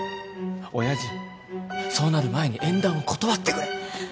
親父そうなる前に縁談を断ってくれ。